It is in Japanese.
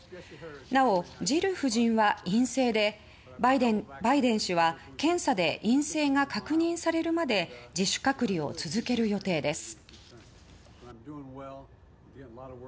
なお、ジル夫人は陰性でバイデン氏は検査で陰性が確認されるまで自主隔離を続ける予定です。